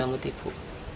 yang namun tibu